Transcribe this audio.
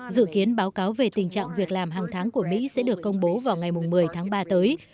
dự kiến báo cáo về tình trạng việc làm hàng tháng của mỹ sẽ được công bố vào ngày một mươi tháng ba tới